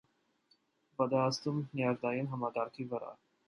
Վատ է ազդում նյարդային համակարգի վրա։